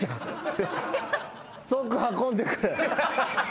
即運んでくれ。